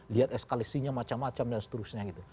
lihat eskalasinya macam macam dan seterusnya gitu